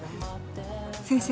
先生